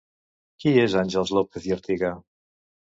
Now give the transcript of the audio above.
Qui és Àngels López i Artiga?